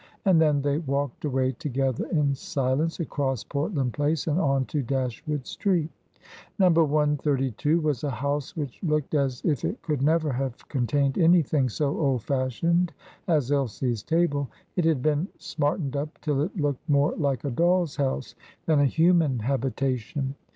And then they walked away together in silence, across Portland Place and on to Dashwood Street. No. 132 was a house which looked as if it could never have contained anything so old fashioned as Elsie's table. It had been smartened up till it looked more like a doll's house than a human habitation.